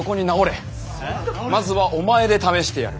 まずはお前で試してやる。